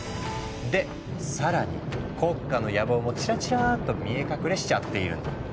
で更に国家の野望もチラチラッと見え隠れしちゃっているの。